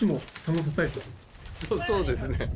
そうですね。